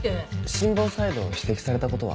心房細動を指摘されたことは？